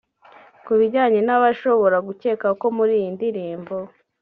Ku bijyanye n’abashobora gukeka ko muri iyi ndirimbo